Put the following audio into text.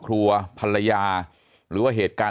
สวัสดีครับ